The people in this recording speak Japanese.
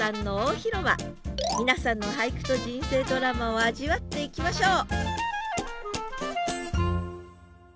皆さんの俳句と人生ドラマを味わっていきましょう！